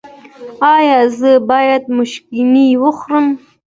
ایا زه باید مشګڼې وخورم؟